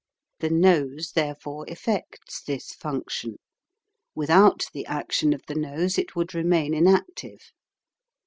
The nose therefore effects this function. Without the action of the nose it would remain inactive.